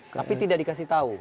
tapi tidak dikasih tahu